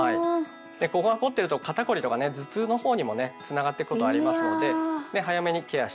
ここが凝ってると肩凝りとかね頭痛の方にもねつながっていくことありますので早めにケアしていきたいですよね。